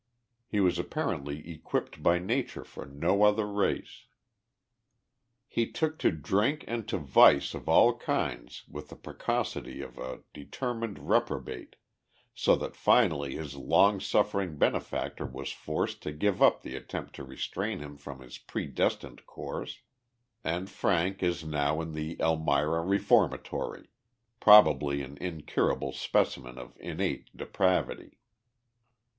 He was apparently equipped by nature for no other race. He took to drink and to vice of all kinds with the precocity of a determined reprobate, so that finally his long suffering benefactor was forced to give up the attempt to restrain him from his predestined course ; and Frank is now in the Elmira Re formatory, probably an incurable specimen of innate depravity.